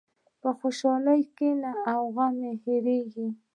په خوشحالۍ کښېنه، غم هېرېږي.